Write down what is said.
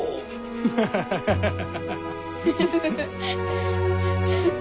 ハハハハハハ。